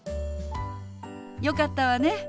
よかったわね。